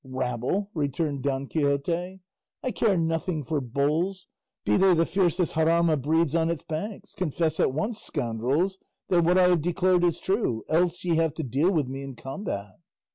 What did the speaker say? "Rabble!" returned Don Quixote, "I care nothing for bulls, be they the fiercest Jarama breeds on its banks. Confess at once, scoundrels, that what I have declared is true; else ye have to deal with me in combat."